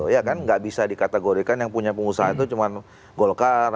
ya kan nggak bisa dikategorikan yang punya pengusaha itu cuma golkar